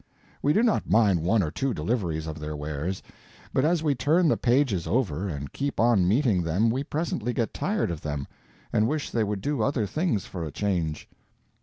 We do not mind one or two deliveries of their wares, but as we turn the pages over and keep on meeting them we presently get tired of them and wish they would do other things for a change.